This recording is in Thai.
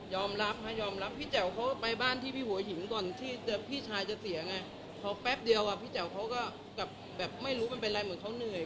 ยอมรับยอมรับพี่แจ๋วเขาไปบ้านที่พี่หัวหินก่อนที่พี่ชายจะเสียไงพอแป๊บเดียวอ่ะพี่แจ๋วเขาก็แบบไม่รู้มันเป็นอะไรเหมือนเขาเหนื่อย